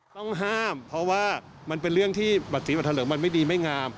ต้องห้ามเพราะว่ามันเป็นเรื่องที่บัตรสีบัตถเหลืองมันไม่ดีไม่งาม